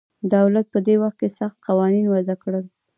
دولت په دې وخت کې سخت قوانین وضع کړل